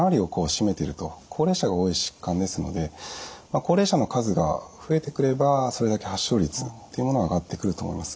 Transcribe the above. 高齢者が多い疾患ですので高齢者の数が増えてくればそれだけ発症率っていうものは上がってくると思います。